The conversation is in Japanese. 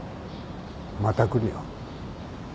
また来るよ。